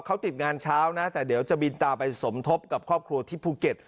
เขาติดงานเช้านะแต่เดี๋ยวจะบินตาไปสมทบกับครอบครัวที่ภูเก็ต